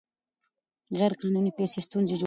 غیر قانوني پیسې ستونزې جوړوي.